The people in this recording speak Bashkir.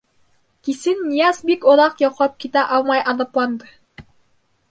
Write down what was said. Кисен Нияз бик оҙаҡ йоҡлап китә алмай аҙапланды.